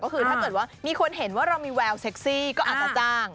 ก็คือถ้าเกิดว่ามีคนเห็นว่าเรามีแววเซ็กซี่ก็อาจจะจ้าง